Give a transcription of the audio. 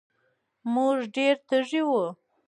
مونږ ډېر تږي وو